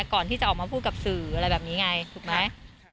ก่อนที่จะออกมาพูดกับสื่ออะไรแบบนี้ไงถูกไหม